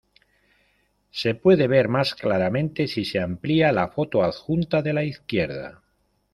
Se puede ver más claramente si se amplia la foto adjunta de la izquierda.